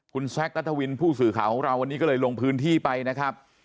คุณแซคนัทวินผู้สื่อข่าวของเราวันนี้ก็เลยลงพื้นที่ไปนะครับ